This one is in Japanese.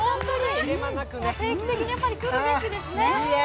定期的に来るべきですね。